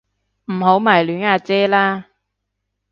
唔好迷戀阿姐啦